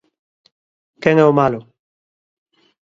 Quen é o malo?